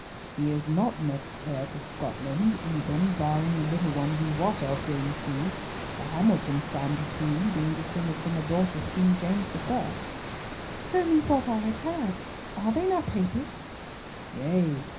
"He is not next heir to Scotland even, barring a little one we wot of, Dame Sue. The Hamiltons stand between, being descended from a daughter of King James I." "So methought I had heard. Are they not Papists?" "Yea!